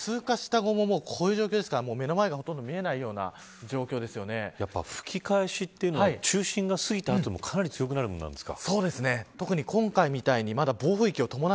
通過した後もこういう状況ですから目の前がほとんど見えないような吹き返しというのは中心が過ぎた後でもかなり強くなるものなんですか。